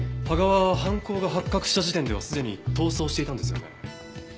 芳賀は犯行が発覚した時点ではすでに逃走していたんですよね？